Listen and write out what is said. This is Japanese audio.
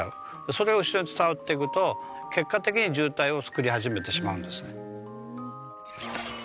それが後ろに伝わっていくと結果的に渋滞を作り始めてしまうんですね。